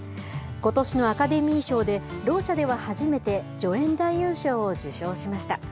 ことしのアカデミー賞で、ろう者では初めて助演男優賞を受賞しました。